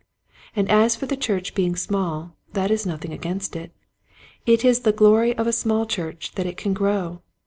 And as for the church being small, that is nothing against it. It is 'the glory of a small church that it can grow.